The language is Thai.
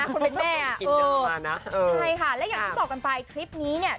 คนเป็นแม่อ่ะเออใช่ค่ะและอย่างที่บอกกันไปคลิปนี้เนี่ย